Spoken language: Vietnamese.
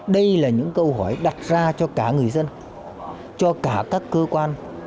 đây là những câu hỏi đặt ra cho cả người dân cho cả các cơ quan